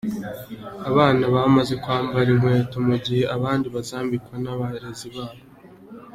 Abana bamaze kwambara inkweto mu giha abandi bazazambikwa n'abarezi babo.